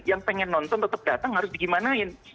yang pengen nonton tetap datang harus digimanain